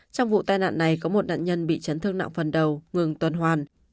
trong vụ tai nạn này có một nạn nhân bị chấn thương nặng phần đầu ngừng tuần hoàn